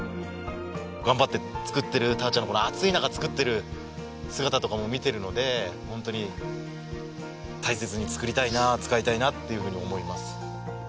頑張って作ってるたぁちゃんのこの暑い中作ってる姿とかも見てるのでホントに大切に作りたいな使いたいなっていうふうに思います。